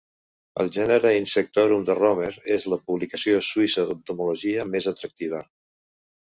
El Genera insectorum de Roemer és la publicació suïssa d'entomologia més atractiva.